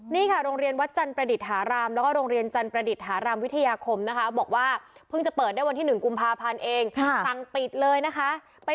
นี่ค่ะโรงเรียนวัดจันทร์ประดิษฐารามแล้วก็โรงเรียนจันทร์ประดิษฐารามวิทยาคมนะคะ